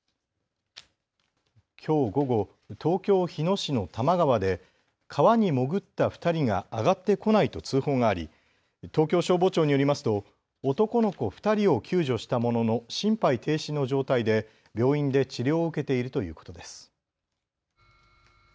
きょう午後、東京日野市の多摩川で川に潜った２人があがってこないと通報があり東京消防庁によりますと男の子２人を救助したものの心肺停止の状態で病院で治療を受けているということです。